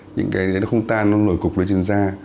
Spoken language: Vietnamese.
những cái đấy nó không tan nó nổi cục lên trên da